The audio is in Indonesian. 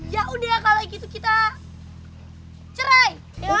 yaudah kalau gitu kita cerai